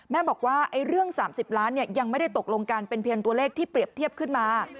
แม่บอกว่าเรื่อง๓๐ล้านยังไม่ได้ตกลงกันเป็นเพียงตัวเลขที่เปรียบเทียบขึ้นมา